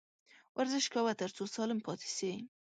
ورزش کوه ، تر څو سالم پاته سې